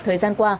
thời gian qua